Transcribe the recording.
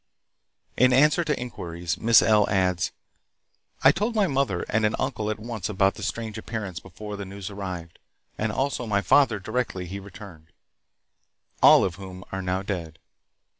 In answer to inquiries, Miss L. adds: "I told my mother and an uncle at once about the strange appearance before the news arrived, and also my father directly he returned, all of whom are now dead.